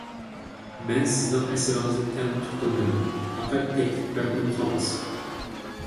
مەن سىزنىڭ ئەسىرىڭىزنى تەنقىد قىلمىدىم، پەقەت تەكلىپ بەردىم، خالاس.